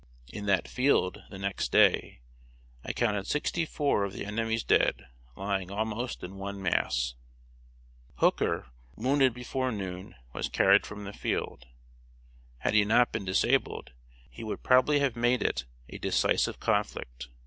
In that field, the next day, I counted sixty four of the enemy's dead, lying almost in one mass. Hooker, wounded before noon, was carried from the field. Had he not been disabled, he would probably have made it a decisive conflict.